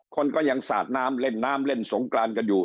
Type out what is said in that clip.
คนก็ยังสาดน้ำเล่นน้ำเล่นสงกรานกันอยู่